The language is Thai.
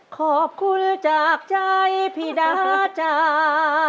ขอบคุณจากใจพี่ดาจ้า